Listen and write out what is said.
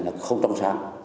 là không trong sáng